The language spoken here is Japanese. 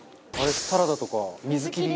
サラダとか水切り。